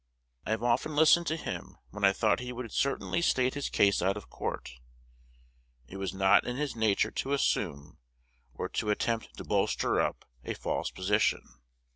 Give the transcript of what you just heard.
I have often listened to him when I thought he would certainly state his case out of Court. It was not in his nature to assume, or to attempt to bolster up, a false position.